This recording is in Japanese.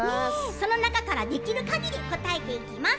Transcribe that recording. その中からできるかぎり応えていきます。